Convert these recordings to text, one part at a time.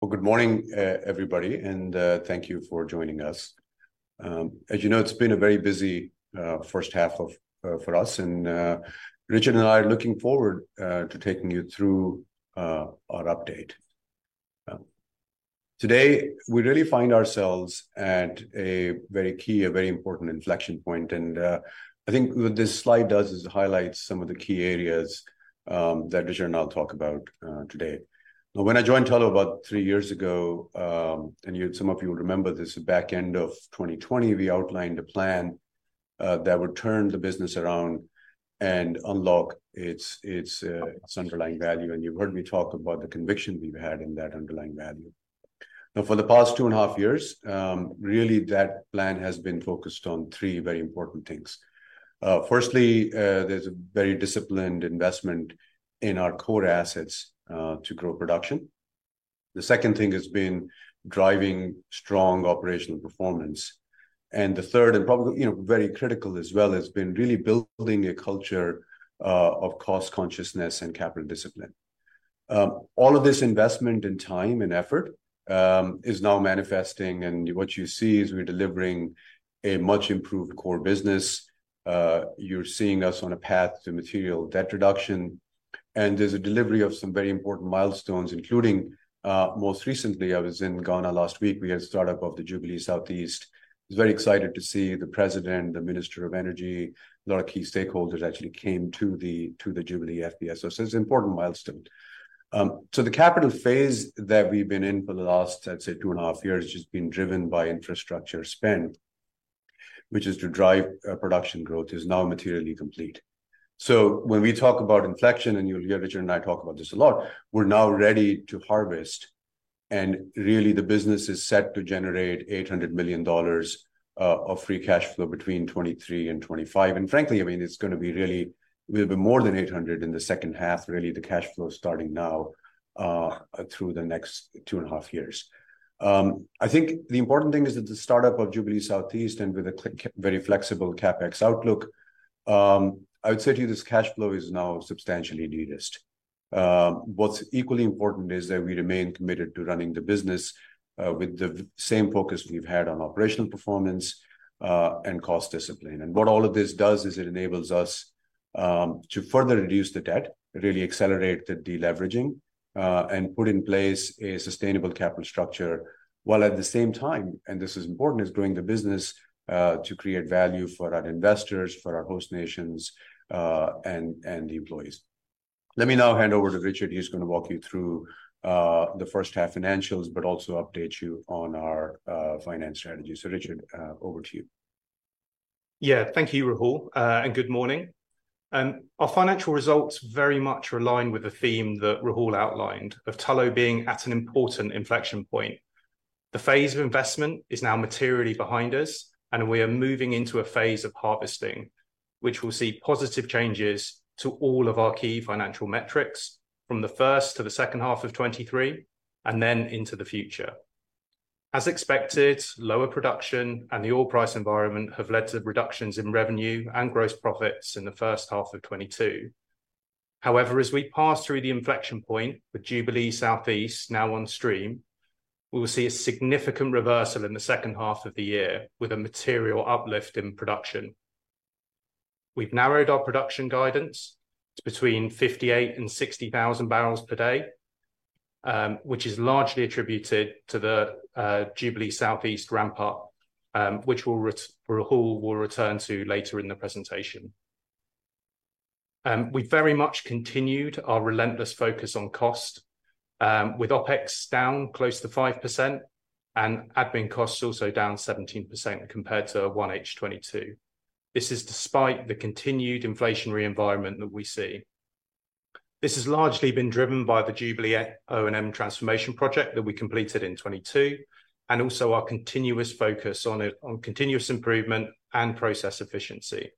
Well, good morning, everybody, and thank you for joining us. As it’s been a very busy first half for us, and Richard and I are looking forward to taking you through our update. Today, we really find ourselves at a very key, a very important inflection point, and I think what this slide does is to highlight some of the key areas that Richard and I will talk about today. When I joined Tullow about three years ago, and you, some of you will remember this, back end of 2020, we outlined a plan that would turn the business around and unlock its underlying value, and you've heard me talk about the conviction we've had in that underlying value. Now, for the past two and a half years, really, that plan has been focused on three very important things. Firstly, there's a very disciplined investment in our core assets to grow production. The second thing has been driving strong operational performance. And the third, and probably, very critical as well, has been really building a culture of cost consciousness and capital discipline. All of this investment, and time, and effort, is now manifesting, and what you see is we're delivering a much improved core business. You're seeing us on a path to material debt reduction, and there's a delivery of some very important milestones, including, most recently, I was in Ghana last week. We had a start-up of the Jubilee South East. I was very excited to see the President, the Minister of Energy, a lot of key stakeholders actually came to the, to the Jubilee FPSO. So it's an important milestone. So the capital that we've been in for the last, I'd say 2.5 years, has just been driven by infrastructure spend, which is to drive production growth, is now materially complete. So when we talk about inflection, and you'll hear Richard and I talk about this a lot, we're now ready to harvest, and really, the business is set to generate $800 million of free cash flow between 2023 and 2025. And frankly, I mean, it's gonna be really... will be more than $800 million in the second half, really, the cash flow starting now through the next 2.5 years. I think the important thing is that the start-up of Jubilee South East and with a very flexible CapEx outlook, I would say to you, this cash flow is now substantially de-risked. What's equally important is that we remain committed to running the business, with the same focus we've had on operational performance, and cost discipline. And what all of this does is it enables us, to further reduce the debt, really accelerate the deleveraging, and put in place a sustainable capital structure, while at the same time, and this is important, is growing the business, to create value for our investors, for our host nations, and the employees. Let me now hand over to Richard, who's going to walk you through the first half financials, but also update you on our finance strategy. So, Richard, over to you. Thank you, Rahul, and good morning. Our financial results very much align with the theme that Rahul outlined, of Tullow being at an important inflection point. The Phase of investment is now materially behind us, and we are moving into a Phase of harvesting, which will see positive changes to all of our key financial metrics from the first to the second half of 2023, and then into the future. As expected, lower production and the oil price environment have led to reductions in revenue and gross profits in the first half of 2022. However, as we pass through the inflection point, with Jubilee Southeast now on stream, we will see a significant reversal in the second half of the year, with a material uplift in production. We've narrowed our production guidance to between 58,000 and 60,000 barrels per day, which is largely attributed to the Jubilee Southeast ramp up, which Rahul will return to later in the presentation. We very much continued our relentless focus on cost, with OpEx down close to 5% and admin costs also down 17% compared to 1H 2022. This is despite the continued inflationary environment that we see. This has largely been driven by the Jubilee O&M transformation project that we completed in 2022, and also our continuous focus on it, on continuous improvement and process efficiency.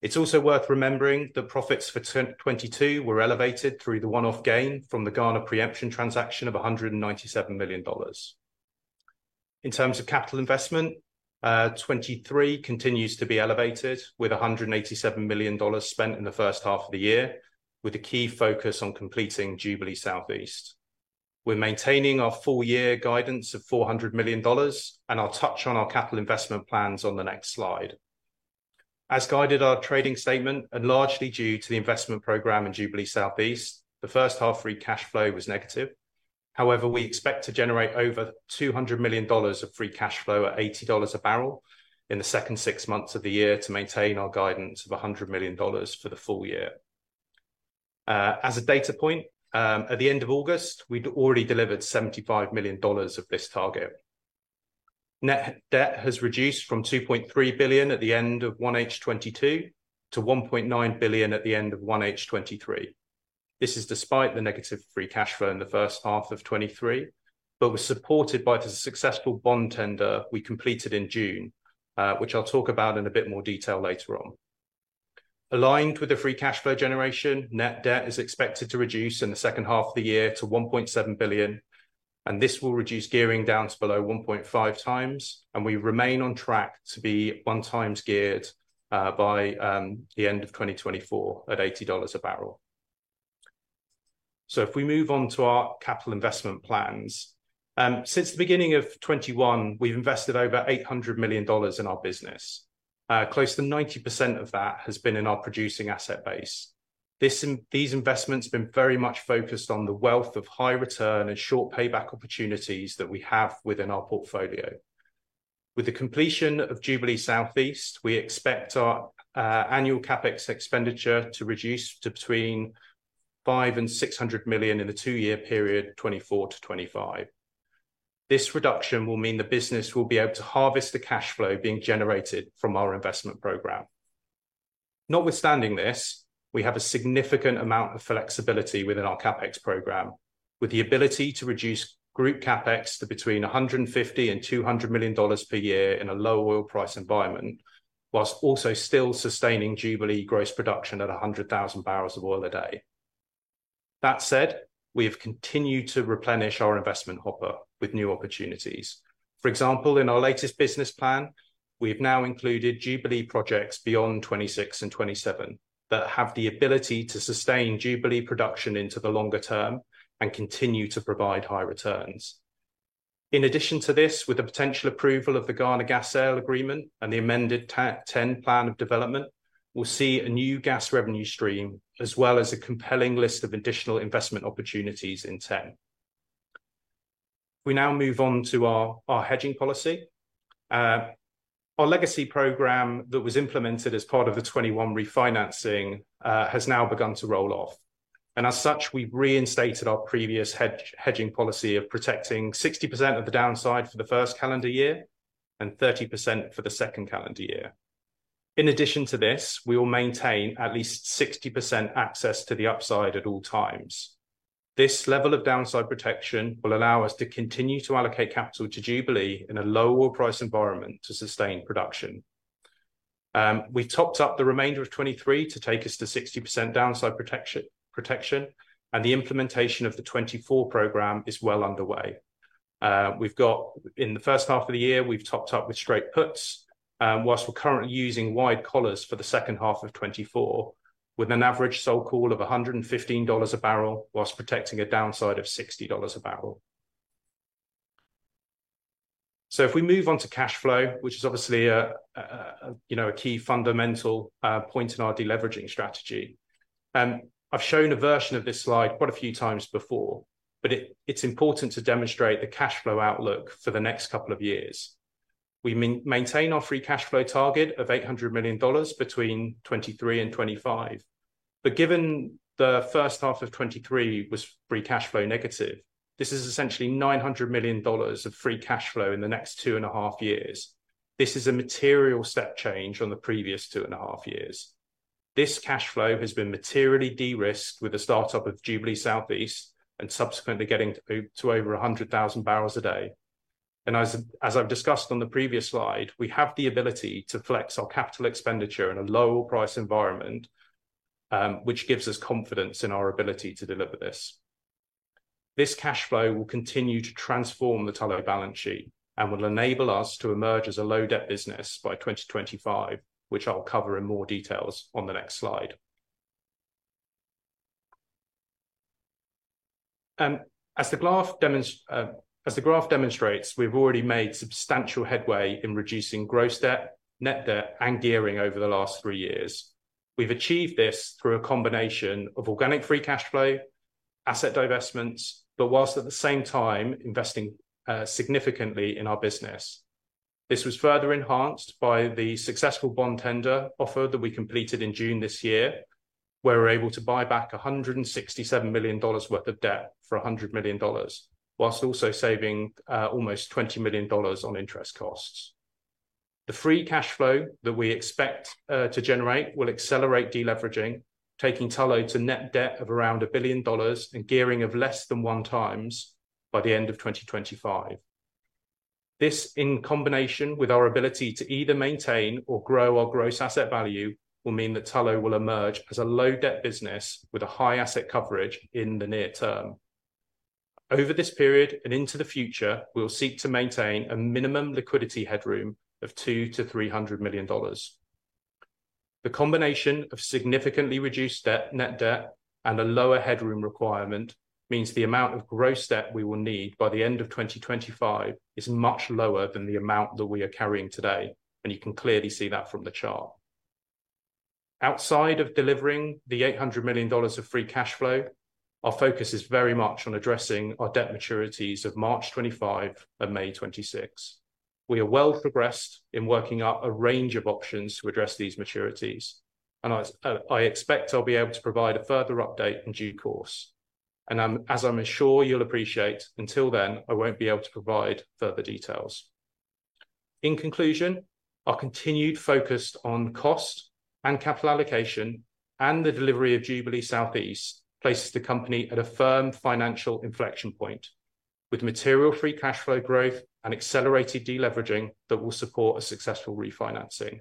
It's also worth remembering that profits for 2022 were elevated through the one-off gain from the Ghana preemption transaction of $197 million. In terms of capital investment, 2023 continues to be elevated, with $187 million spent in the first half of the year, with a key focus on completing Jubilee Southeast. We're maintaining our full year guidance of $400 million, and I'll touch on our capital investment plans on the next slide. As guided, our trading statement, and largely due to the investment program in Jubilee Southeast, the first half free cash flow was negative. However, we expect to generate over $200 million of free cash flow at $80 a barrel in the second six months of the year to maintain our guidance of $100 million for the full year. As a data point, at the end of August, we'd already delivered $75 million of this target. Net debt has reduced from $2.3 billion at the end of 1H 2022 to $1.9 billion at the end of 1H 2023. This is despite the negative free cash flow in the first half of 2023, but was supported by the successful bond tender we completed in June, which I'll talk about in a bit more detail later on. Aligned with the free cash flow generation, net debt is expected to reduce in the second half of the year to $1.7 billion, and this will reduce gearing down to below 1.5x, and we remain on track to be 1x geared by the end of 2024 at $80 a barrel. So if we move on to our capital investment plans, since the beginning of 2021, we've invested over $800 million in our business. Close to 90% of that has been in our producing asset base. These investments have been very much focused on the wealth of high return and short payback opportunities that we have within our portfolio. With the completion of Jubilee Southeast, we expect our annual CapEx expenditure to reduce to between $500 million and $600 million in the two-year period, 2024-2025. This reduction will mean the business will be able to harvest the cash flow being generated from our investment program. Notwithstanding this, we have a significant amount of flexibility within our CapEx program, with the ability to reduce group CapEx to between $150 million and $200 million per year in a low oil price environment, while also still sustaining Jubilee gross production at 100,000 barrels of oil a day. That said, we have continued to replenish our investment hopper with new opportunities. For example, in our latest business plan, we have now included Jubilee projects beyond 2026 and 2027, that have the ability to sustain Jubilee production into the longer term and continue to provide high returns. In addition to this, with the potential approval of the Ghana Gas sales agreement and the amended TEN Plan of Development, we'll see a new gas revenue stream, as well as a compelling list of additional investment opportunities in TEN. We now move on to our hedging policy. Our legacy program that was implemented as part of the 2021 refinancing has now begun to roll off. And as such, we've reinstated our previous hedging policy of protecting 60% of the downside for the first calendar year and 30% for the second calendar year. In addition to this, we will maintain at least 60% access to the upside at all times. This level of downside protection will allow us to continue to allocate capital to Jubilee in a low oil price environment to sustain production. We topped up the remainder of 2023 to take us to 60% downside protection, and the implementation of the 2024 program is well underway. We've got... In the first half of the year, we've topped up with straight puts, whilst we're currently using wide collars for the second half of 2024, with an average sell call of $115 a barrel, whilst protecting a downside of $60 a barrel. So if we move on to cash flow, which is obviously, a key fundamental point in our deleveraging strategy, I've shown a version of this slide quite a few times before, but it's important to demonstrate the cash flow outlook for the next couple of years. We maintain our free cash flow target of $800 million between 2023 and 2025, but given the first half of 2023 was free cash flow negative, this is essentially $900 million of free cash flow in the next 2.5 years. This is a material step change on the previous two and a half years. This cash flow has been materially de-risked with the start-up of Jubilee Southeast and subsequently getting to over 100,000 barrels a day. And as I've discussed on the previous slide, we have the ability to flex our capital expenditure in a low oil price environment, which gives us confidence in our ability to deliver this. This cash flow will continue to transform the Tullow balance sheet and will enable us to emerge as a low-debt business by 2025, which I'll cover in more details on the next slide. As the graph demonstrates, we've already made substantial headway in reducing gross debt, net debt, and gearing over the last three years. We've achieved this through a combination of organic free cash flow, asset divestments, but whilst at the same time investing significantly in our business. This was further enhanced by the successful bond tender offer that we completed in June this year, where we're able to buy back $167 million worth of debt for $100 million, whilst also saving almost $20 million on interest costs. The free cash flow that we expect to generate will accelerate deleveraging, taking Tullow to net debt of around $1 billion and gearing of less than 1x by the end of 2025. This, in combination with our ability to either maintain or grow our gross asset value, will mean that Tullow will emerge as a low-debt business with a high asset coverage in the near term. Over this period and into the future, we will seek to maintain a minimum liquidity headroom of $200 million-$300 million. The combination of significantly reduced debt, net debt, and a lower headroom requirement means the amount of gross debt we will need by the end of 2025 is much lower than the amount that we are carrying today, and you can clearly see that from the chart. Outside of delivering the $800 million of free cash flow, our focus is very much on addressing our debt maturities of March 2025 and May 2026. We are well progressed in working out a range of options to address these maturities, and I expect I'll be able to provide a further update in due course, as I'm sure you'll appreciate, until then, I won't be able to provide further details. In conclusion, our continued focus on cost and capital allocation and the delivery of Jubilee Southeast places the company at a firm financial inflection point, with material free cash flow growth and accelerated deleveraging that will support a successful refinancing.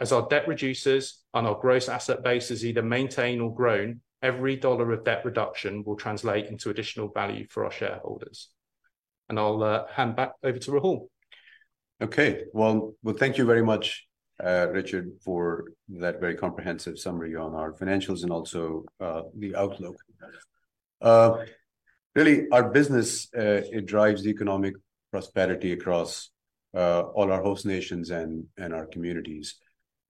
As our debt reduces and our gross asset base is either maintained or grown, every dollar of debt reduction will translate into additional value for our shareholders.... and I'll hand back over to Rahul. Okay. Well, thank you very much, Richard, for that very comprehensive summary on our financials and also the outlook. Really, our business, it drives economic prosperity across all our host nations and our communities.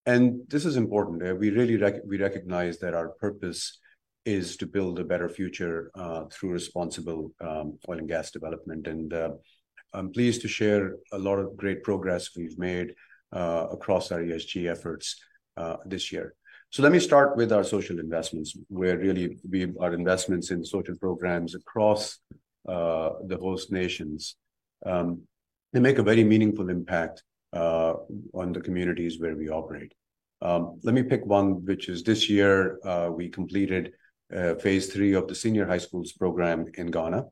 And this is important. We really recognize that our purpose is to build a better future through responsible oil and gas development. And I'm pleased to share a lot of great progress we've made across our ESG efforts this year. So let me start with our social investments, where really we, our investments in social programs across the host nations. Let me pick one, which is this year, we completed Phase III of the senior high schools program in Ghana.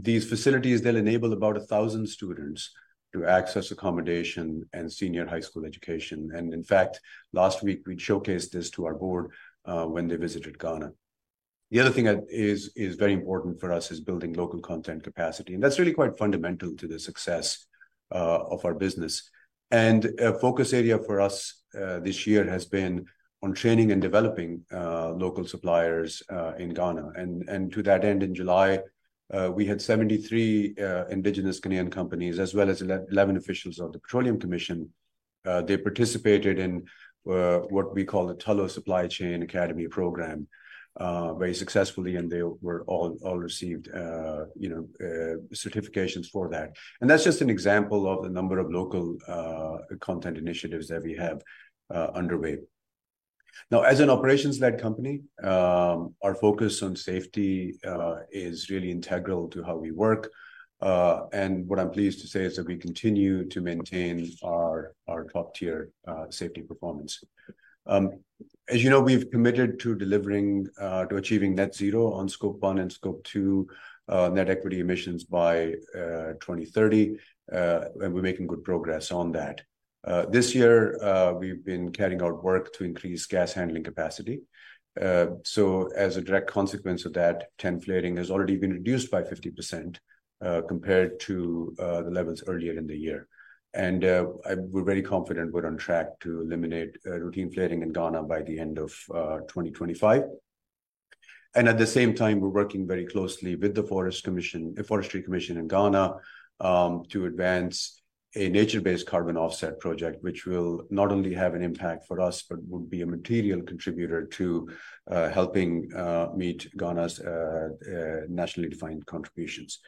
These facilities, they'll enable about 1,000 students to access accommodation and senior high school education. In fact, last week, we showcased this to our board when they visited Ghana. The other thing that very important for us is building local content capacity, and that's really quite fundamental to the success of our business. A focus area for us this year has been on training and developing local suppliers in Ghana. To that end, in July we had 73 indigenous Ghanaian companies, as well as 11 officials of the Petroleum Commission. They participated in what we call the Tullow Supply Chain Academy program very successfully, and they were all received you know certifications for that. That's just an example of the number of local content initiatives that we have underway. Now, as an operations-led company, our focus on safety is really integral to how we work. And what I'm pleased to say is that we continue to maintain our top-tier safety performance. As we've committed to achieving Net Zero on Scope 1 and Scope 2 net equity emissions by 2030, and we're making good progress on that. This year, we've been carrying out work to increase gas handling capacity. So as a direct consequence of that, TEN flaring has already been reduced by 50%, compared to the levels earlier in the year. We're very confident we're on track to eliminate routine flaring in Ghana by the end of 2025. And at the same time, we're working very closely with the Forest Commission, the Forestry Commission in Ghana, to advance a nature-based carbon offset project, which will not only have an impact for us, but would be a material contributor to helping meet Ghana's nationally defined contributions.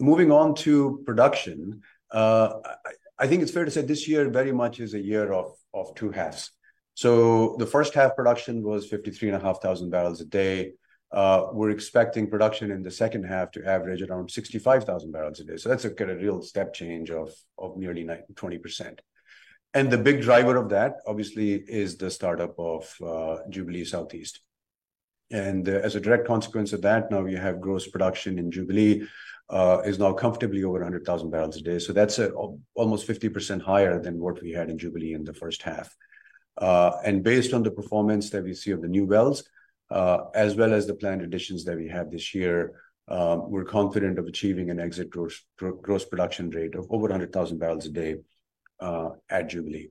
Moving on to production, I think it's fair to say this year very much is a year of two halves. So the first half production was 53,500 barrels a day. We're expecting production in the second half to average around 65,000 barrels a day. So that's a kind of real step change of nearly 20%. The big driver of that, obviously, is the startup of Jubilee Southeast. As a direct consequence of that, now you have gross production in Jubilee is now comfortably over 100,000 barrels a day. That's almost 50% higher than what we had in Jubilee in the first half. Based on the performance that we see of the new wells, as well as the planned additions that we have this year, we're confident of achieving an exit gross production rate of over 100,000 barrels a day at Jubilee.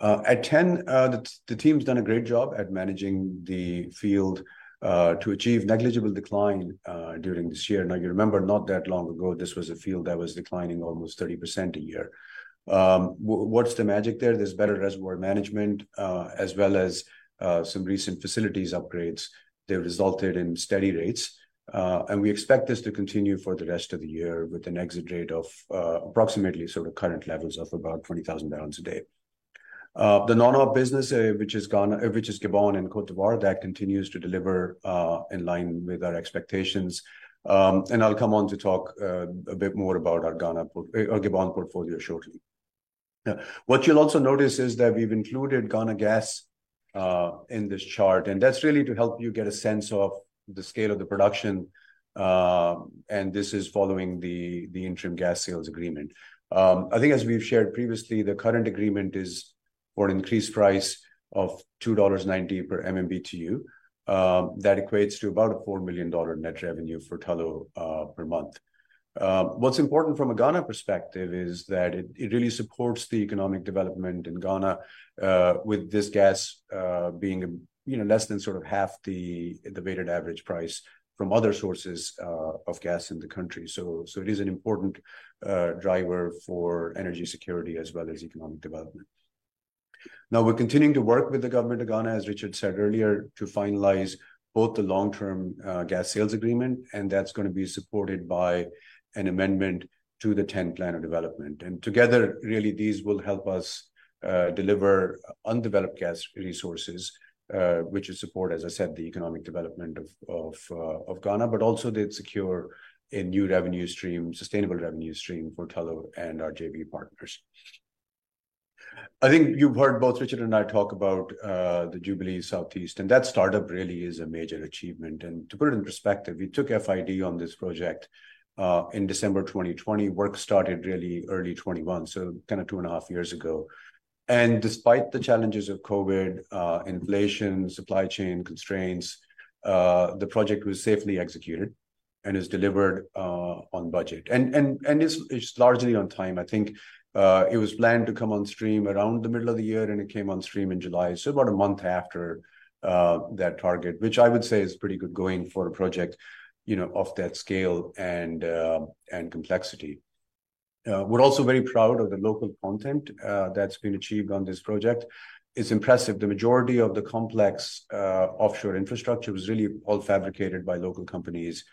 At TEN, the team has done a great job at managing the field to achieve negligible decline during this year. Now, you remember, not that long ago, this was a field that was declining almost 30% a year. What's the magic there? There's better reservoir management, as well as some recent facilities upgrades. They've resulted in steady rates, and we expect this to continue for the rest of the year with an exit rate of approximately sort of current levels of about 20,000 barrels a day. The non-op business, which is Ghana, which is Gabon and Côte d'Ivoire, that continues to deliver in line with our expectations. And I'll come on to talk a bit more about our Gabon portfolio shortly. What you'll also notice is that we've included Ghana Gas in this chart, and that's really to help you get a sense of the scale of the production, and this is following the interim gas sales agreement. I think as we've shared previously, the current agreement is for an increased price of $2.90 per MMBtu. That equates to about a $4 million net revenue for Tullow per month. What's important from a Ghana perspective is that it really supports the economic development in Ghana with this gas being, less than sort of half the weighted average price from other sources of gas in the country. So it is an important driver for energy security as well as economic development. Now, we're continuing to work with the government of Ghana, as Richard said earlier, to finalize both the long-term gas sales agreement, and that's gonna be supported by an amendment to the TEN Plan of Development. Together, really, these will help us deliver undeveloped gas resources, which will support, as I said, the economic development of Ghana, but also they'd secure a new revenue stream, sustainable revenue stream for Tullow and our JV partners. I think you've heard both Richard and I talk about the Jubilee Southeast, and that startup really is a major achievement. To put it in perspective, we took FID on this project in December 2020. Work started really early 2021, so kind of two and a half years ago. Despite the challenges of COVID, inflation, supply chain constraints, the project was safely executed and is delivered on budget. And it's largely on time. I think, it was planned to come on stream around the middle of the year, and it came on stream in July, so about a month after, that target, which I would say is pretty good going for a project, of that scale and, and complexity. We're also very proud of the local content, that's been achieved on this project. It's impressive. The majority of the complex, offshore infrastructure was really all fabricated by local companies,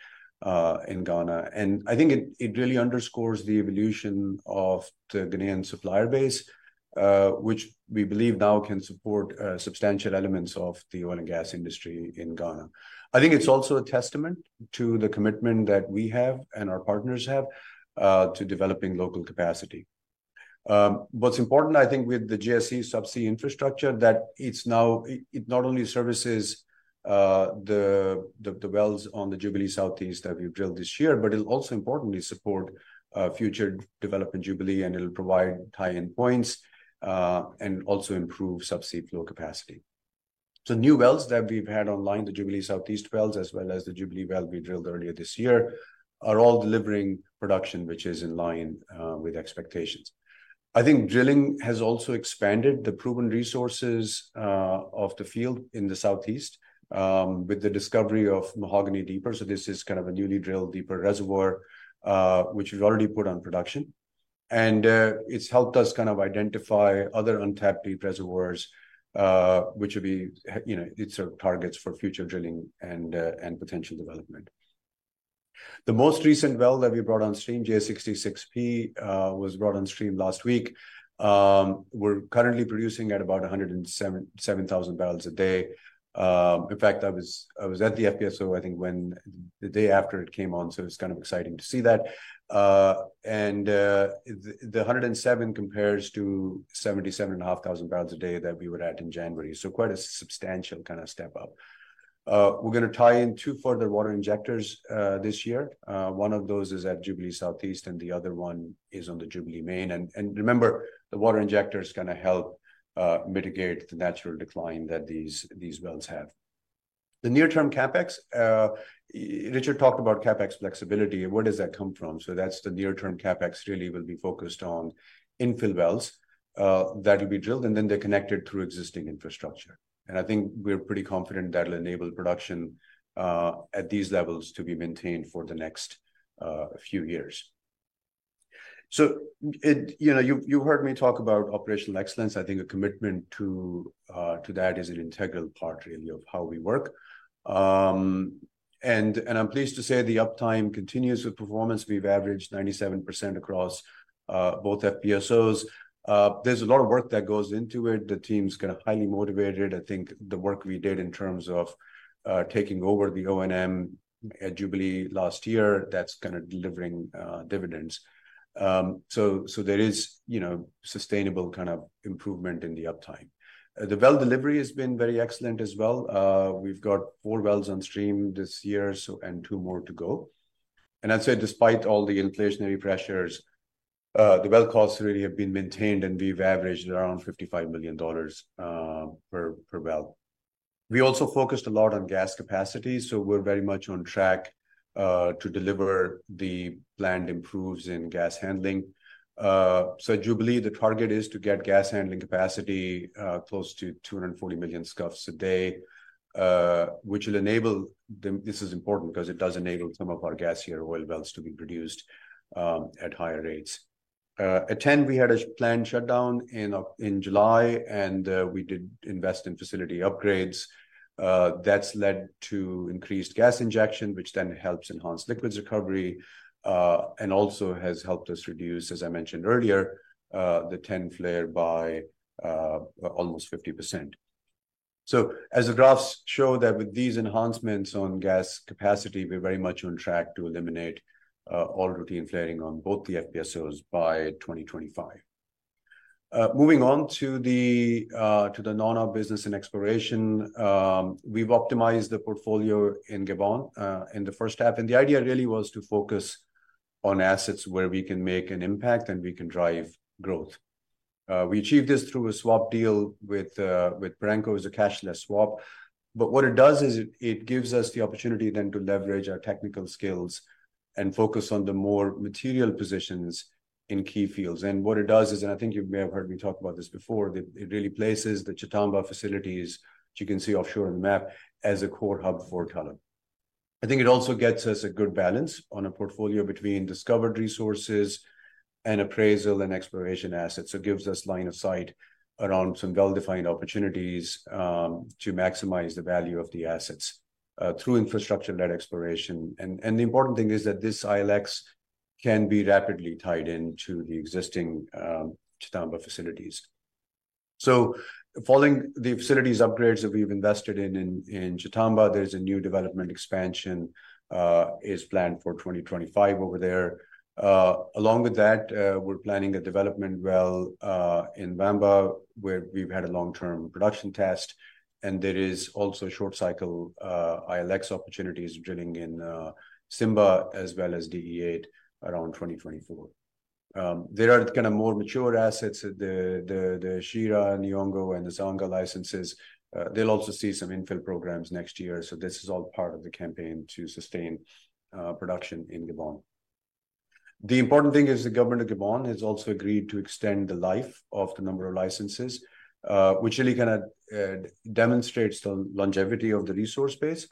in Ghana, and I think it really underscores the evolution of the Ghanaian supplier base, which we believe now can support, substantial elements of the oil and gas industry in Ghana. I think it's also a testament to the commitment that we have and our partners have, to developing local capacity. What's important, I think, with the GSC subsea infrastructure, that it's now it now not only services the wells on the Jubilee Southeast that we've drilled this year, but it'll also importantly support future development Jubilee, and it'll provide tie-in points and also improve subsea flow capacity. So new wells that we've had online, the Jubilee Southeast wells, as well as the Jubilee well we drilled earlier this year, are all delivering production which is in line with expectations. I think drilling has also expanded the proven resources of the field in the Southeast with the discovery of Mahogany Deeper. So this is kind of a newly drilled, deeper reservoir which we've already put on production. It's helped us kind of identify other untapped deep reservoirs, which will be, targets for future drilling and potential development. The most recent well that we brought on stream, J66P, was brought on stream last week. We're currently producing at about 107,000 barrels a day. In fact, I was at the FPSO, I think, when the day after it came on, so it's kind of exciting to see that. The 107 compares to 77,500 barrels a day that we were at in January, so quite a substantial kind of step up. We're gonna tie in two further water injectors this year. One of those is at Jubilee Southeast, and the other one is on the Jubilee main. Remember, the water injector is gonna help mitigate the natural decline that these wells have. The near-term CapEx Richard talked about CapEx flexibility. Where does that come from? So that's the near-term CapEx really will be focused on infill wells that will be drilled, and then they're connected through existing infrastructure, and I think we're pretty confident that'll enable production at these levels to be maintained for the next few years. So it... you've heard me talk about operational excellence. I think a commitment to that is an integral part, really, of how we work. I'm pleased to say the uptime continues with performance. We've averaged 97% across both FPSOs. There's a lot of work that goes into it. The team's kind of highly motivated. I think the work we did in terms of taking over the O&M at Jubilee last year, that's kind of delivering dividends. So, so there is, sustainable kind of improvement in the uptime. The well delivery has been very excellent as well. We've got four wells on stream this year, so, and two more to go. And I'd say despite all the inflationary pressures, the well costs really have been maintained, and we've averaged around $55 million per well. We also focused a lot on gas capacity, so we're very much on track to deliver the planned improves in gas handling. So at Jubilee, the target is to get gas handling capacity close to 240 million scf a day, which will enable the... This is important because it does enable some of our gas near oil wells to be produced at higher rates. At Ten, we had a planned shutdown in July, and we did invest in facility upgrades. That's led to increased gas injection, which then helps enhance liquids recovery and also has helped us reduce, as I mentioned earlier, the Ten flare by almost 50%. So as the graphs show, that with these enhancements on gas capacity, we're very much on track to eliminate all routine flaring on both the FPSOs by 2025. Moving on to the non-op business and exploration, we've optimized the portfolio in Gabon in the first half, and the idea really was to focus on assets where we can make an impact, and we can drive growth. We achieved this through a swap deal with Perenco as a cashless swap. But what it does is it gives us the opportunity then to leverage our technical skills and focus on the more material positions in key fields. And what it does is, and I think you may have heard me talk about this before, that it really places the Tchatamba facilities, which you can see offshore on the map, as a core hub for Tullow. I think it also gets us a good balance on a portfolio between discovered resources and appraisal and exploration assets. So it gives us line of sight around some well-defined opportunities to maximize the value of the assets through infrastructure-led exploration. And the important thing is that this ILX can be rapidly tied into the existing Tchamba facilities. So following the facilities upgrades that we've invested in Tchamba, there's a new development expansion is planned for 2025 over there. Along with that, we're planning a development well in Mbamba, where we've had a long-term production test, and there is also short-cycle ILX opportunities drilling in Simba, as well as DE-8 around 2024. There are kind of more mature assets at the Shira, Niungo, and the Ezanga licenses. They'll also see some infill programs next year, so this is all part of the campaign to sustain production in Gabon. The important thing is the government of Gabon has also agreed to extend the life of the number of licenses, which really kinda demonstrates the longevity of the resource base.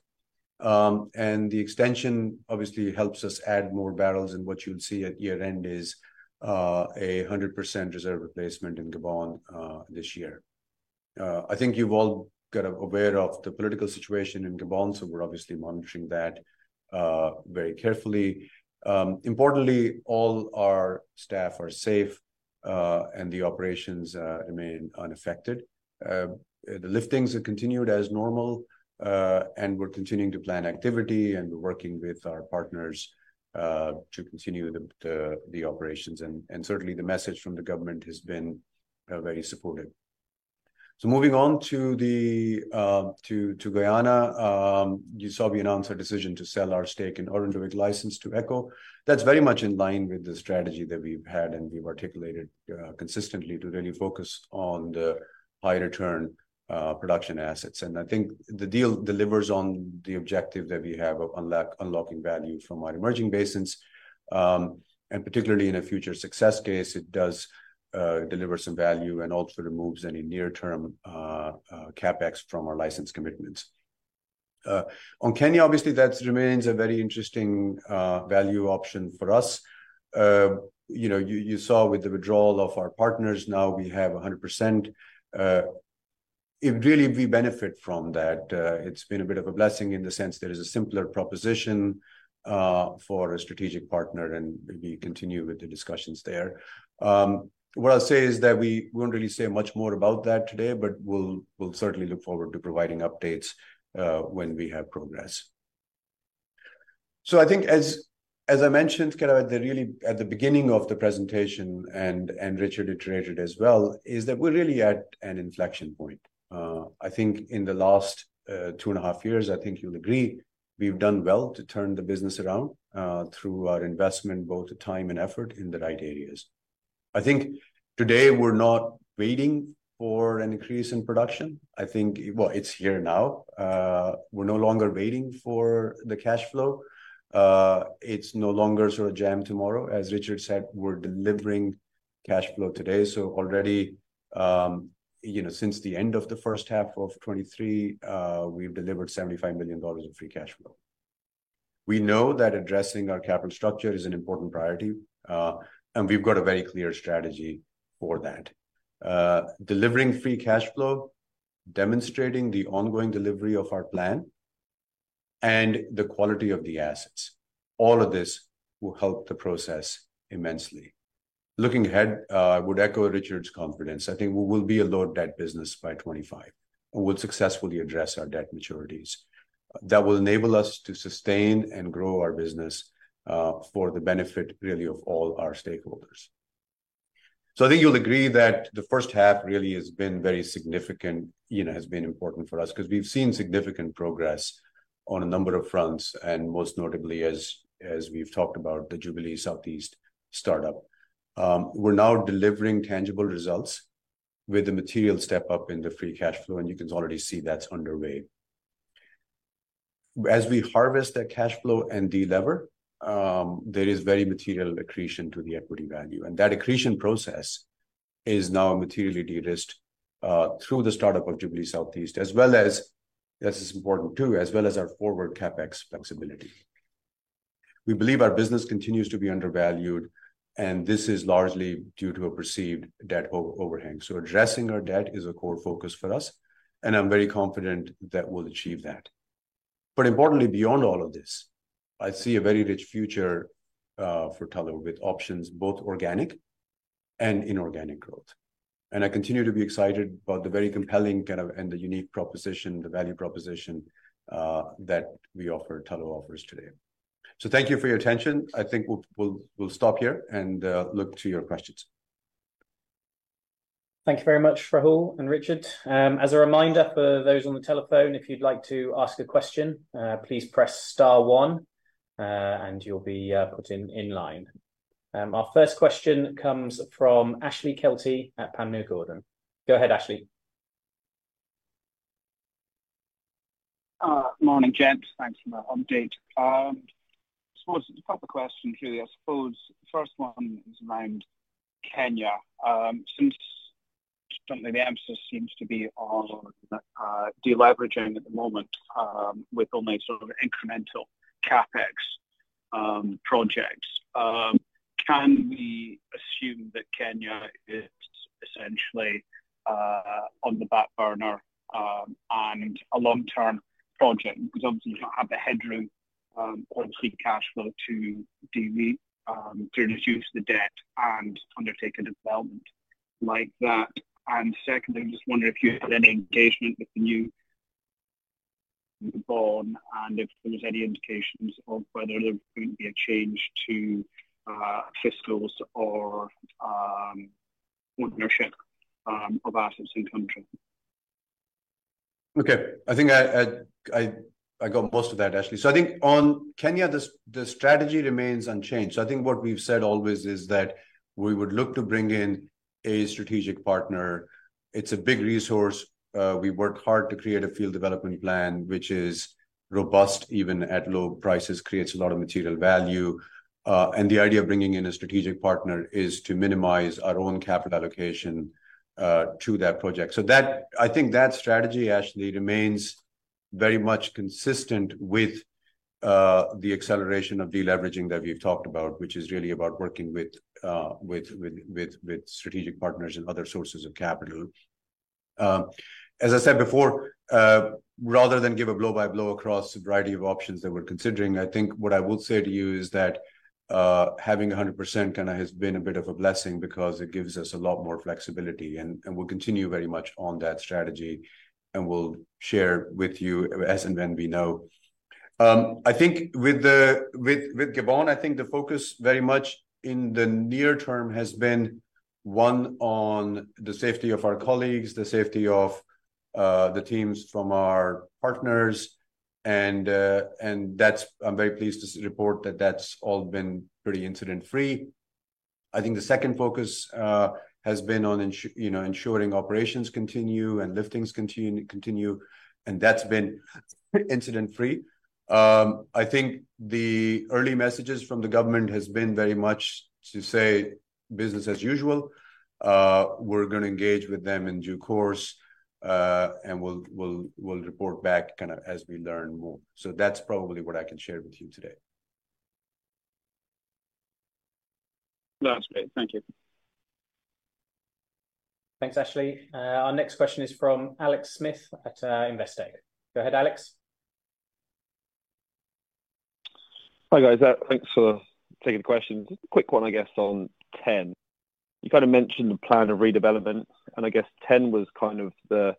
And the extension obviously helps us add more barrels, and what you'll see at year-end is a 100% reserve replacement in Gabon this year. I think you've all got aware of the political situation in Gabon, so we're obviously monitoring that very carefully. Importantly, all our staff are safe, and the operations remain unaffected. The liftings have continued as normal, and we're continuing to plan activity, and we're working with our partners to continue the operations. And certainly, the message from the government have been very supportive. So moving on to Guyana, you saw we announced our decision to sell our stake in Orinduik license to Eco. That's very much in line with the strategy that we've had, and we've articulated consistently to really focus on the high-return production assets. And I think the deal delivers on the objective that we have of unlocking value from our emerging basins. And particularly in a future success case, it does deliver some value and also removes any near-term CapEx from our license commitments. On Kenya, obviously, that remains a very interesting value option for us. you saw with the withdrawal of our partners, now we have 100%. It really, we benefit from that. It's been a bit of a blessing in the sense there is a simpler proposition for a strategic partner, and we continue with the discussions there. What I'll say is that we won't really say much more about that today, but we'll, we'll certainly look forward to providing updates when we have progress. So I think as I mentioned, kind of at the really at the beginning of the presentation, and Richard iterated as well, is that we're really at an inflection point. I think in the last two and a half years, I think you'll agree, we've done well to turn the business around through our investment, both the time and effort, in the right areas. I think today we're not waiting for an increase in production. I think... well, it's here now. We're no longer waiting for the cash flow. It's no longer sort of jam tomorrow. As Richard said, we're delivering cash flow today. So already, since the end of the first half of 2023, we've delivered $75 million of free cash flow. We know that addressing our capital structure is an important priority, and we've got a very clear strategy for that. Delivering free cash flow, demonstrating the ongoing delivery of our plan, and the quality of the assets, all of this will help the process immensely. Looking ahead, I would echo Richard's confidence. I think we will be a low-debt business by 2025. We will successfully address our debt maturities. That will enable us to sustain and grow our business, for the benefit, really, of all our stakeholders. So I think you'll agree that the first half really has been very significant, has been important for us, 'cause we've seen significant progress on a number of fronts, and most notably, as, as we've talked about, the Jubilee Southeast startup. We're now delivering tangible results with a material step up in the free cash flow, and you can already see that's underway. As we harvest that cash flow and delever, there is very material accretion to the equity value, and that accretion process is now materially de-risked through the startup of Jubilee Southeast, as well as, this is important, too, as well as our forward CapEx flexibility. We believe our business continues to be undervalued, and this is largely due to a perceived debt overhang, so addressing our debt is a core focus for us, and I'm very confident that we'll achieve that. But importantly, beyond all of this, I see a very rich future for Tullow, with options both organic and inorganic growth. I continue to be excited about the very compelling kind of, and the unique proposition, the value proposition that we offer, Tullow offers today. So thank you for your attention. I think we'll stop here and look to your questions. Thank you very much, Rahul and Richard. As a reminder for those on the telephone, if you'd like to ask a question, please press star one, and you'll be put in line. Our first question comes from Ashley Kelty at Panmure Gordon. Go ahead, Ashley. Morning, gents. Thanks for the update. I suppose a couple of questions here. I suppose the first one is around Kenya. Since certainly the emphasis seems to be on deleveraging at the moment, with only sort of incremental CapEx projects, can we assume that Kenya is essentially on the back burner and a long-term project? Because obviously you don't have the headroom or the free cash flow to reduce the debt and undertake a development like that. And secondly, I'm just wondering if you had any engagement with the new Gabon, and if there was any indications of whether there's going to be a change to fiscals or ownership of assets in country?... Okay, I think I got most of that, Ashley. So I think on Kenya, the strategy remains unchanged. So I think what we've said always is that we would look to bring in a strategic partner. It's a big resource. We worked hard to create a field development plan, which is robust, even at low prices, creates a lot of material value. And the idea of bringing in a strategic partner is to minimize our own capital allocation to that project. So that, I think that strategy actually remains very much consistent with the acceleration of deleveraging that we've talked about, which is really about working with strategic partners and other sources of capital. As I said before, rather than give a blow-by-blow across a variety of options that we're considering, I think what I will say to you is that having 100% kind of has been a bit of a blessing because it gives us a lot more flexibility, and we'll continue very much on that strategy, and we'll share with you as and when we know. I think with Gabon, I think the focus very much in the near term has been, one, on the safety of our colleagues, the safety of the teams from our partners, and I’m very pleased to report that's all been pretty incident-free. I think the second focus has been on ensuring operations continue and liftings continue, and that's been incident-free. I think the early messages from the government has been very much to say business as usual. We're gonna engage with them in due course, and we'll report back kind of as we learn more. So that's probably what I can share with you today. That's great. Thank you. Thanks, Ashley. Our next question is from Alex Smith at Investec. Go ahead, Alex. Hi, guys. Thanks for taking the question. Quick one, I guess, on TEN. You kind of mentioned the plan of redevelopment, and I guess TEN was kind of the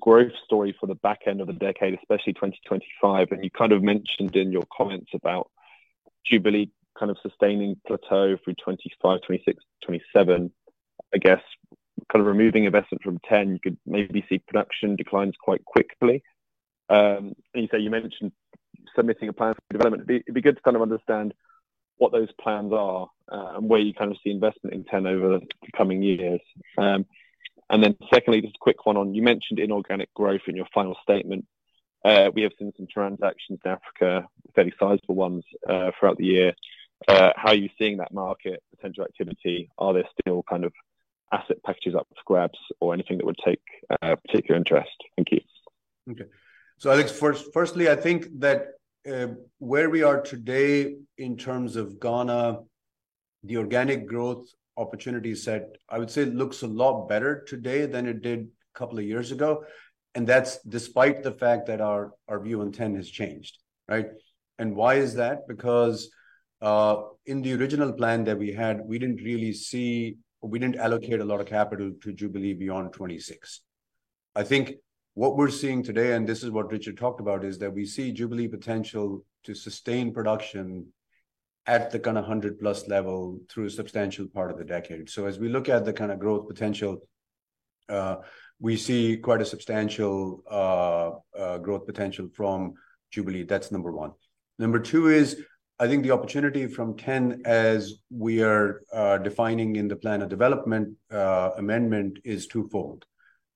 growth story for the back end of the decade, especially 2025. And you kind of mentioned in your comments about Jubilee kind of sustaining plateau through 2025, 2026, 2027. I guess, kind of removing investment from TEN, you could maybe see production declines quite quickly. And you say you mentioned submitting a Plan of Development. It'd be, it'd be good to kind of understand what those plans are, and where you kind of see investment in TEN over the coming years. And then secondly, just a quick one on, you mentioned inorganic growth in your final statement. We have seen some transactions in Africa, fairly sizable ones, throughout the year. How are you seeing that market, potential activity? Are there still kind of asset packages up for grabs or anything that would take your interest? Thank you. Okay. So Alex, first, firstly, I think that, where we are today in terms of Ghana, the organic growth opportunity set, I would say, looks a lot better today than it did a couple of years ago, and that's despite the fact that our, our view on Ten has changed, right? And why is that? Because, in the original plan that we had, we didn't really see. We didn't allocate a lot of capital to Jubilee beyond 2026. I think what we're seeing today, and this is what Richard talked about, is that we see Jubilee potential to sustain production at the kind of 100+ level through a substantial part of the decade. So as we look at the kind of growth potential, we see quite a substantial, growth potential from Jubilee. That's number one. Number two is, I think the opportunity from TEN, as we are defining in the plan of development amendment, is twofold.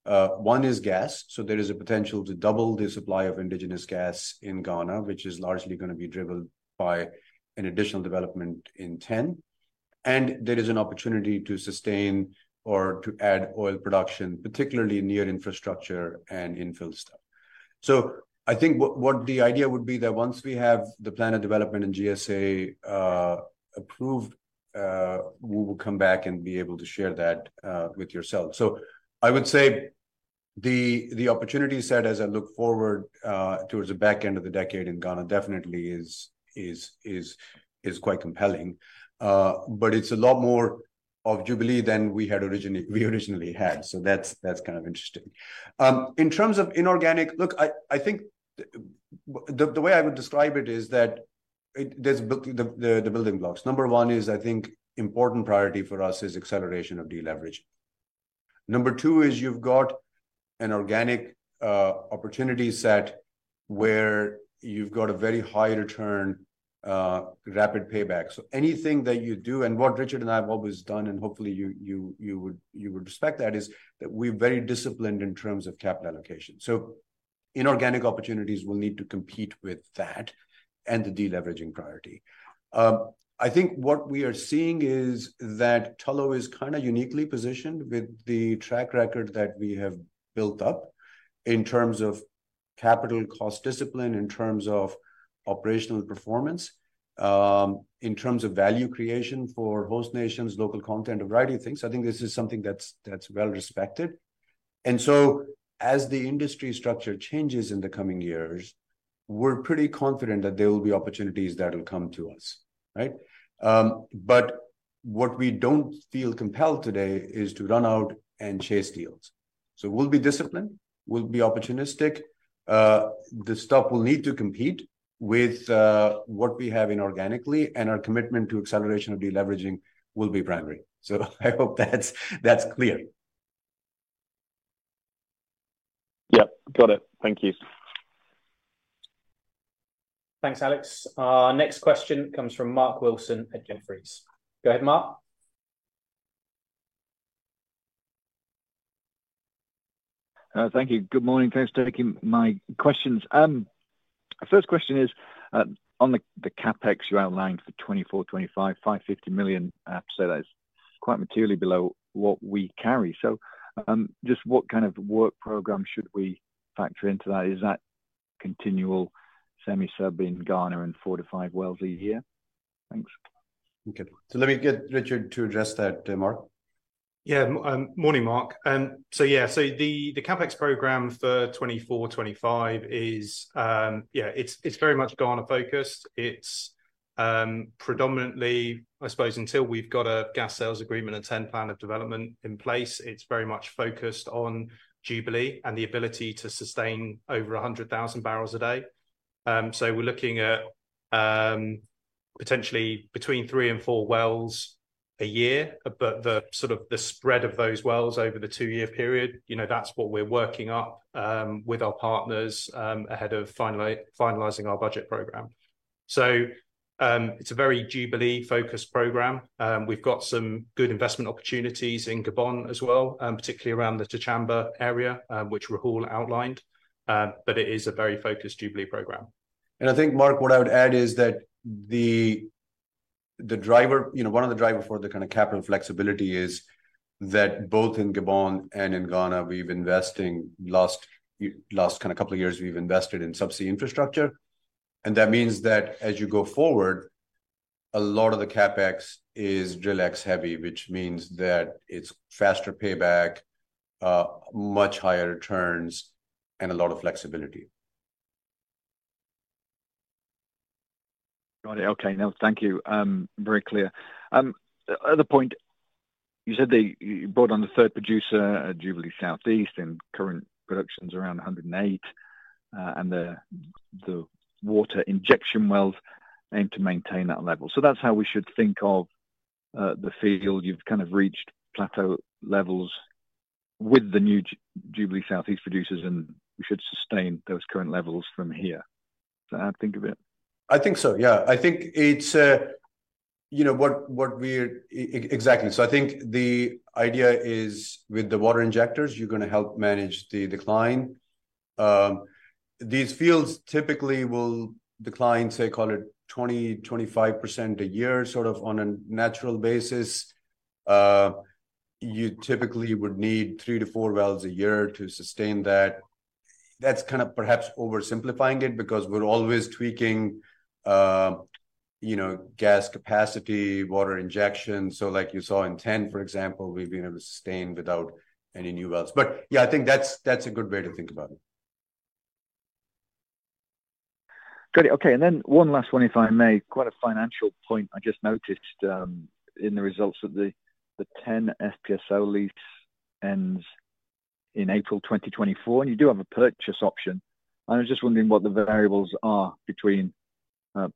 One is gas. So there is a potential to double the supply of indigenous gas in Ghana, which is largely gonna be driven by an additional development in TEN. And there is an opportunity to sustain or to add oil production, particularly near infrastructure and infill stuff. So I think what the idea would be that once we have the plan of development and GSA approved, we will come back and be able to share that with yourselves. So I would say the opportunity set, as I look forward towards the back end of the decade in Ghana, definitely is quite compelling. But it's a lot more of Jubilee than we had originally. So that's kind of interesting. In terms of inorganic, look, I think the way I would describe it is that there's the building blocks. Number one is, I think, important priority for us is acceleration of deleverage. Number two is you've got an organic opportunity set where you've got a very high return, rapid payback. So anything that you do, and what Richard and I have always done, and hopefully you would respect that, is that we're very disciplined in terms of capital allocation. So inorganic opportunities will need to compete with that and the deleveraging priority. I think what we are seeing is that Tullow is kind of uniquely positioned with the track record that we have built up in terms of capital cost discipline, in terms of operational performance, in terms of value creation for host nations, local content, a variety of things. I think this is something that's, that's well-respected. And so as the industry structure changes in the coming years, we're pretty confident that there will be opportunities that will come to us, right? But what we don't feel compelled today is to run out and chase deals. So we'll be disciplined, we'll be opportunistic, the stock will need to compete with what we have organically, and our commitment to acceleration of de-leveraging will be primary. So I hope that's, that's clear. Yep, got it. Thank you. Thanks, Alex. Our next question comes from Mark Wilson at Jefferies. Go ahead, Mark. Thank you. Good morning, thanks for taking my questions. First question is on the CapEx you outlined for 2024, 2025, $550 million, so that is quite materially below what we carry. So, just what kind of work program should we factor into that? Is that continual semi-sub in Ghana and 4-5 wells a year? Thanks. Okay. So let me get Richard to address that, Mark. Morning, Mark. So the CapEx program for 2024, 2025 is, it's, it's very much Ghana focused. It's, predominantly, I suppose until we've got a gas sales agreement and TEN plan of development in place, it's very much focused on Jubilee and the ability to sustain over 100,000 barrels a day. So we're looking at, potentially between 3-4 wells a year, but the sort of the spread of those wells over the 2-year period, that's what we're working up, with our partners, ahead of finally finalizing our budget program. So, it's a very Jubilee-focused program. We've got some good investment opportunities in Gabon as well, particularly around the Tchamba area, which Rahul outlined, but it is a very focused Jubilee program. I think, Mark, what I would add is that the driver, one of the driver for the kind of capital flexibility is that both in Gabon and in Ghana, we've invested last couple of years in subsea infrastructure. That means that as you go forward, a lot of the CapEx is drilling-heavy, which means that it's faster payback, much higher returns, and a lot of flexibility. Got it. Okay, now, thank you. Very clear. Other point, you said that you brought on the third producer at Jubilee Southeast, and current production is around 108, and the water injection wells aim to maintain that level. So that's how we should think of the field. You've kind of reached plateau levels with the new Jubilee Southeast producers, and we should sustain those current levels from here. Is that how to think of it? I think so I think it's, exactly. So I think the idea is with the water injectors, you're gonna help manage the decline. These fields typically will decline, say, call it 20-25% a year, sort of on a natural basis. You typically would need 3-4 wells a year to sustain that. That's kind of perhaps oversimplifying it, because we're always tweaking, gas capacity, water injection. So like you saw in Ten, for example, we've been able to sustain without any new wells. But I think that's, that's a good way to think about it. Got it. Okay, and then one last one, if I may. Quite a financial point I just noticed in the results of the TEN FPSO lease ends in April 2024, and you do have a purchase option. I was just wondering what the variables are between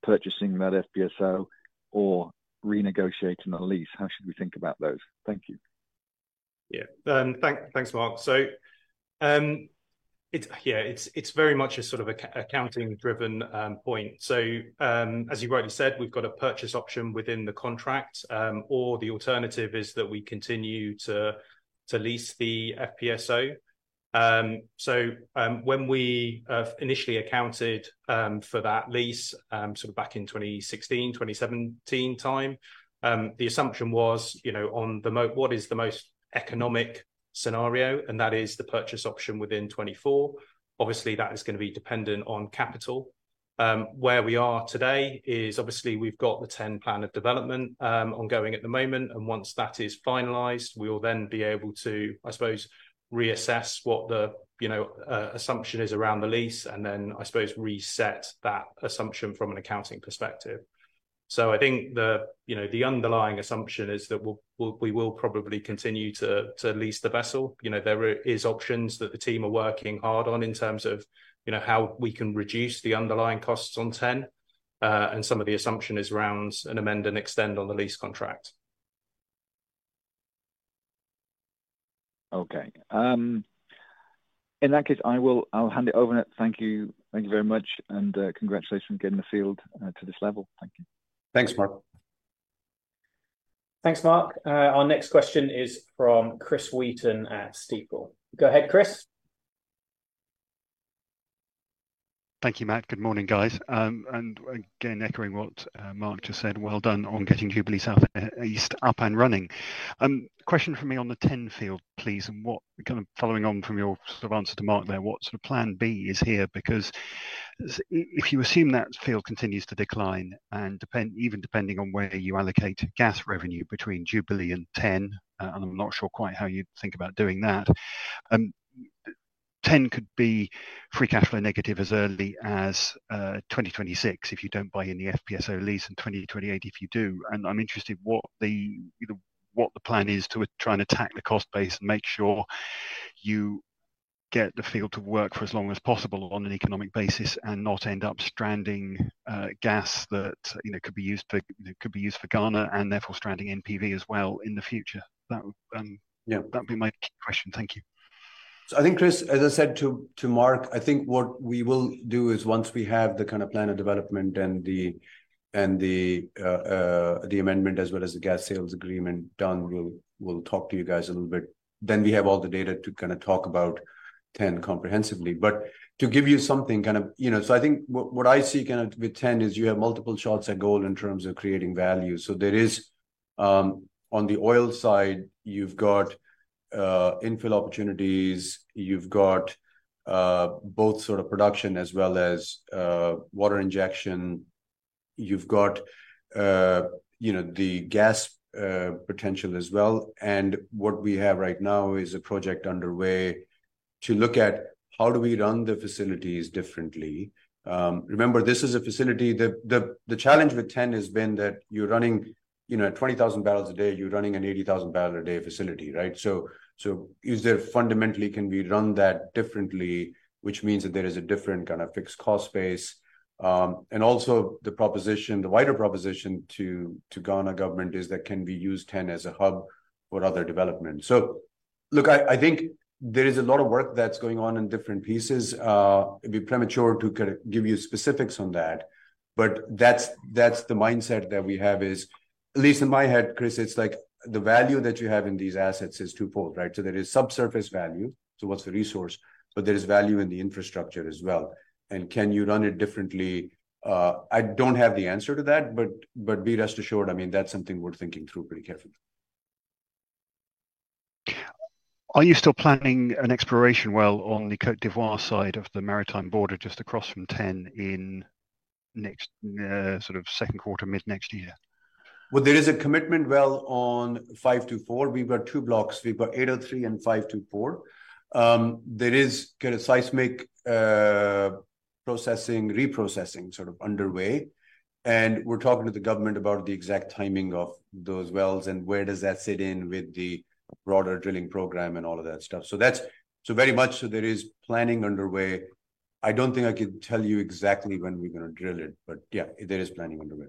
purchasing that FPSO or renegotiating the lease. How should we think about those? Thank you. Thanks, Mark. So it's, it's very much a sort of accounting driven point. So, as you rightly said, we've got a purchase option within the contract, or the alternative is that we continue to lease the FPSO. So, when we initially accounted for that lease, sort of back in 2016, 2017 time, the assumption was, on the most what is the most economic scenario, and that is the purchase option within 2024. Obviously, that is gonna be dependent on capital. Where we are today is, obviously, we've got the TEN Plan of Development ongoing at the moment, and once that is finalized, we will then be able to, I suppose, reassess what the, assumption is around the lease, and then, I suppose, reset that assumption from an accounting perspective. So I think the, the underlying assumption is that we will probably continue to lease the vessel. there is options that the team are working hard on in terms of, how we can reduce the underlying costs on TEN, and some of the assumptions around amend and extend on the lease contract. Okay. In that case, I'll hand it over. Thank you. Thank you very much, and congratulations on getting the field to this level. Thank you. Thanks, Mark. Thanks, Mark. Our next question is from Chris Wheaton at Stifel. Go ahead, Chris. Thank you, Matt. Good morning, guys. And again, echoing what Mark just said, well done on getting Jubilee Southeast up and running. Question for me on the TEN Field, please, and what kind of following on from your sort of answer to Mark there, what sort of plan B is here? Because if you assume that field continues to decline, and even depending on where you allocate gas revenue between Jubilee and TEN, and I'm not sure quite how you think about doing that, TEN could be free cash flow negative as early as 2026 if you don't buy any FPSO lease, and 2028 if you do. And I'm interested what the, what the plan is to try and attack the cost base and make sure you-... Get the field to work for as long as possible on an economic basis and not end up stranding gas that, could be used for Ghana, and therefore stranding NPV as well in the future? That'd be my key question. Thank you. So I think, Chris, as I said to Mark, I think what we will do is once we have the kind of Plan of Development and the amendment as well as the Gas Sales Agreement done, we'll talk to you guys a little bit. Then we have all the data to kinda talk about Ten comprehensively. But to give you something kind of, you know. So I think what I see kinda with Ten is you have multiple shots at goal in terms of creating value. So there is, on the oil side, you've got infill opportunities, you've got both sort of production as well as water injection. You've got, the gas potential as well. What we have right now is a project underway to look at how do we run the facilities differently. Remember, this is a facility, the challenge with TEN has been that you're running, 20,000 barrels a day, you're running an 80,000 barrel a day facility, right? So is there fundamentally, can we run that differently, which means that there is a different kind of fixed cost base. And also the proposition, the wider proposition to Ghana government is that can we use TEN as a hub for other development? So look, I think there is a lot of work that's going on in different pieces. It'd be premature to kind of give you specifics on that, but that's the mindset that we have is, at least in my head, Chris, it's like the value that you have in these assets is twofold, right? So there is subsurface value, so what's the resource? But there is value in the infrastructure as well. And can you run it differently? I don't have the answer to that, but be rest assured, I mean, that's something we're thinking through pretty carefully. Are you still planning an exploration well on the Côte d'Ivoire side of the maritime border, just across from Ten in next, sort of second quarter, mid-next year? Well, there is a commitment well on 524. We've got two blocks. We've got 803 and 524. There is kind of seismic processing, reprocessing sort of underway, and we're talking to the government about the exact timing of those wells and where does that sit in with the broader drilling program and all of that stuff. So that's, So very much so there is planning underway. I don't think I could tell you exactly when we're going to drill it, but there is planning underway.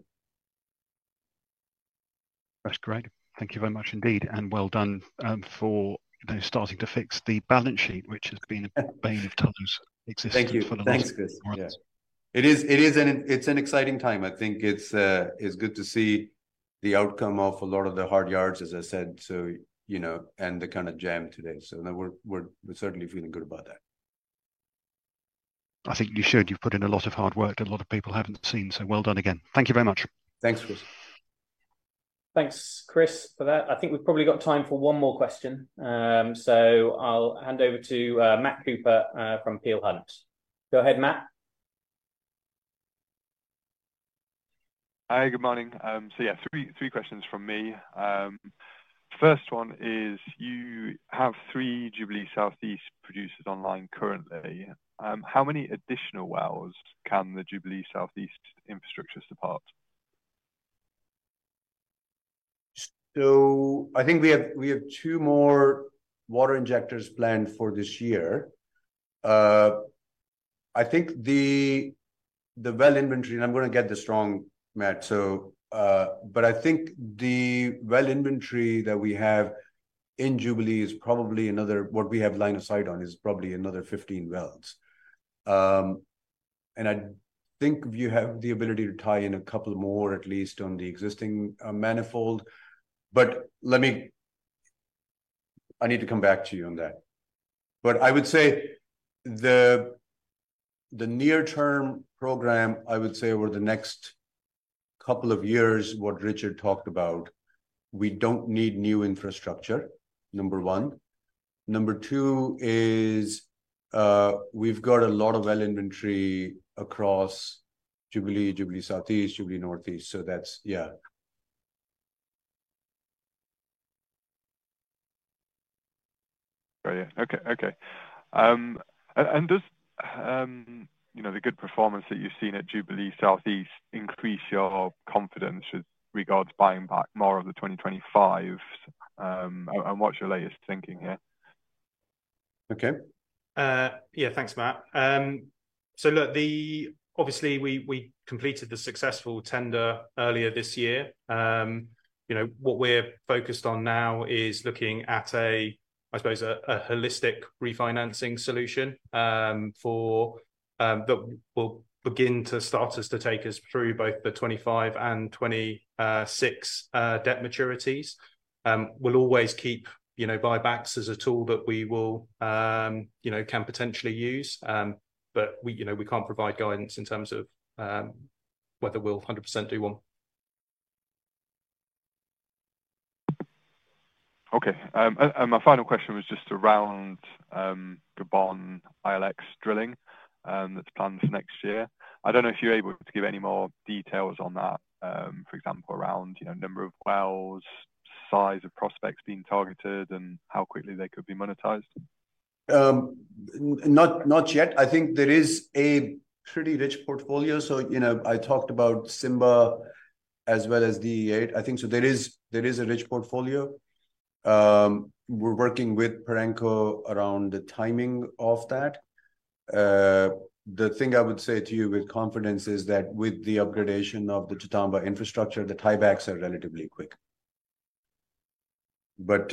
That's great. Thank you very much indeed, and well done, for starting to fix the balance sheet, which has been a bane of Tullow's existence for the last- Thank you. Thanks, Chris. It is an exciting time. I think it's good to see the outcome of a lot of the hard yards, as I said, so, and the kind of jam today. So now we're certainly feeling good about that. I think you should. You've put in a lot of hard work that a lot of people haven't seen, so well done again. Thank you very much. Thanks, Chris. Thanks, Chris, for that. I think we've probably got time for one more question. So I'll hand over to Matt Cooper from Peel Hunt. Go ahead, Matt. Hi, good morning. So 3, 3 questions from me. First one is, you have 3 Jubilee Southeast producers online currently. How many additional wells can the Jubilee Southeast infrastructure support? So I think we have, we have two more water injectors planned for this year. I think the well inventory, and I'm going to get this wrong, Matt, so, but I think the well inventory that we have in Jubilee is probably another, what we have line of sight on is probably another 15 wells. And I think you have the ability to tie in a couple more, at least on the existing, manifold. But let me... I need to come back to you on that. But I would say the near-term program, I would say over the next couple of years, what Richard talked about, we don't need new infrastructure, number one. Number two is, we've got a lot of well inventory across Jubilee, Jubilee Southeast, Jubilee North East. So that's, okay. And does, the good performance that you've seen at Jubilee Southeast increase your confidence with regards buying back more of the 2025? And what's your latest thinking here? Okay. Thanks, Matt. So look, obviously, we completed the successful tender earlier this year. what we're focused on now is looking at a, I suppose, a holistic refinancing solution for that will begin to start us, to take us through both the 2025 and 2026 debt maturities. We'll always keep, buybacks as a tool that we will, can potentially use, but we, we can't provide guidance in terms of whether we'll 100% do one. Okay, my final question was just around Gabon ILX drilling that's planned for next year. I don't know if you're able to give any more details on that, for example, around, number of wells, size of prospects being targeted, and how quickly they could be monetized. Not, not yet. I think there is a pretty rich portfolio. I talked about Simba as well as DE-8. I think so there is, there is a rich portfolio. We're working with Perenco around the timing of that. The thing I would say to you with confidence is that with the upgrade of the Tchamba infrastructure, the tiebacks are relatively quick. But,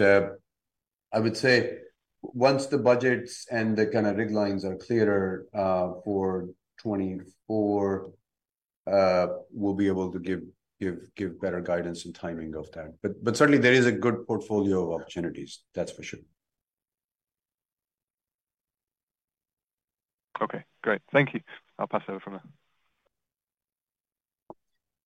I would say once the budgets and the kind of rig lines are clearer, for 2024, we'll be able to give better guidance and timing of that. But, but certainly there is a good portfolio of opportunities, that's for sure. Okay, great. Thank you. I'll pass over from there.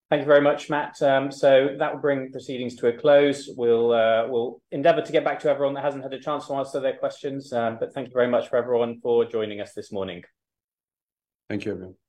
Thank you very much, Matt. So that will bring proceedings to a close. We'll endeavor to get back to everyone that hasn't had a chance to answer their questions, but thank you very much for everyone for joining us this morning. Thank you, everyone.